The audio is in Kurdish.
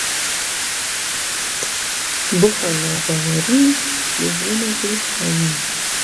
Bixwenebawerî, dijminekî xayin e.